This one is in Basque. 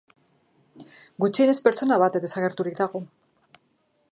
Gutxienez pertsona bat desagerturik dago.